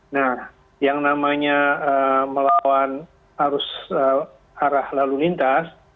nah yang namanya melawan arus arah lalu lintas